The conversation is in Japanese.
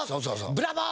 「ブラボー！」